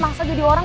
langsung jadi orang